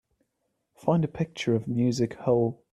Find a picture of Music Hole